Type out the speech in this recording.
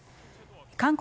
韓国